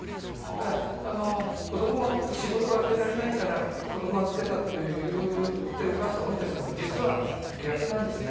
ただ、仕事が空けられないから子供預けたって言ってるお母さん多いんですが実は、逆なんですね。